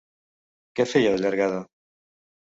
Quan feia de llargada?